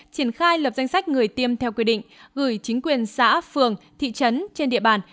triển khai lập danh sách người tiêm theo quy định gửi chính quyền xã phường thị trấn trên địa bàn